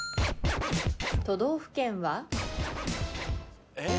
都道府県は？えっ？